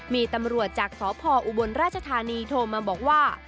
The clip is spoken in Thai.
มีตำรวจจากสพออุบลราชธานีโทรมาบอกว่า